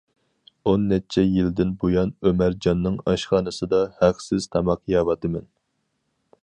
ئون نەچچە يىلدىن بۇيان، ئۆمەرجاننىڭ ئاشخانىسىدا ھەقسىز تاماق يەۋاتىمەن.